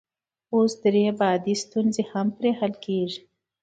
اوس درې بعدي ستونزې هم پرې حل کیږي.